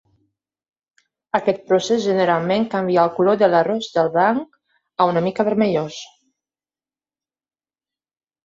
Aquest procés generalment canvia el color de l'arròs de blanc a una mica vermellós.